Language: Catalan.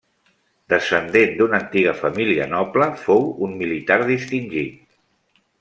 Descendent d'una antiga família noble, fou un militar distingit.